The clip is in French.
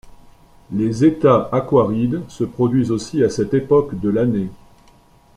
Les Êta aquarides se produisent aussi à cette époque de l'année.